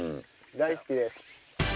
大好きです。